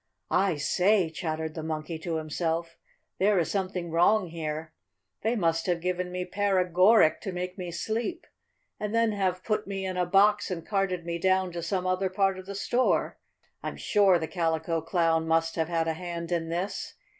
"I say!" chattered the Monkey to himself, "there is something wrong here. They must have given me paregoric to make me sleep, and then have put me in a box and carted me down to some other part of the store. I'm sure the Calico Clown must have had a hand in this.